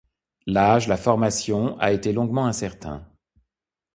L'âge la formation a été longtemps incertain.